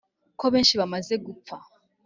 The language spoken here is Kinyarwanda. ko benshi bamaze gupfa